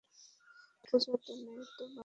পূজা তো নেই, ও বাইরে গেছে।